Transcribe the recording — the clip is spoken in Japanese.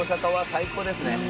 最高ですね。